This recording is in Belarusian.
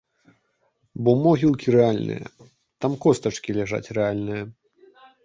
Бо могілкі рэальныя, там костачкі ляжаць рэальныя.